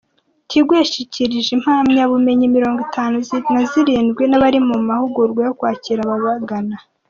Tigo yashyikirije impamyabumenyi mirongo itanu nazirindwi abari mu mahugurwa yo kwakira ababagana